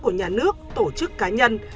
của nhà nước tổ chức cá nhân